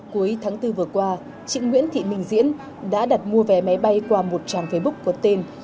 cuối tháng bốn vừa qua chị nguyễn thị minh diễn đã đặt mua vé máy bay qua một trang facebook có tên